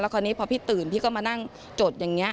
คราวนี้พอพี่ตื่นพี่ก็มานั่งจดอย่างนี้